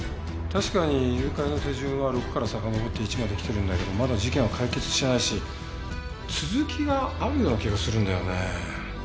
確かに誘拐の手順は６からさかのぼって１まで来てるんだけどまだ事件は解決してないし続きがあるような気がするんだよね。